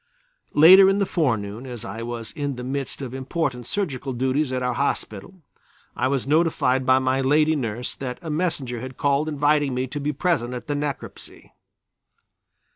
Later in the forenoon as I was in the midst of important surgical duties at our hospital, I was notified by my lady nurse that a messenger had called inviting me to be present at the necropsy.